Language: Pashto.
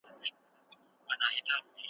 که انلاین کورس وي نو خلګ نه وروسته کیږي.